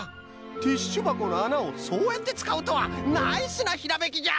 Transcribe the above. ティッシュばこのあなをそうやってつかうとはナイスなひらめきじゃ！